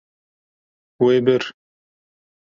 Wê bir.